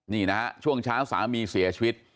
นี่นะฮะช่วงเช้าสามีเสียชีวิต